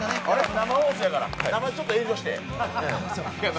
生放送やから、ちょっと遠慮して。